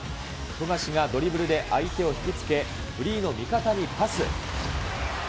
富樫がドリブルで相手を引き付け、フリーの味方にパス。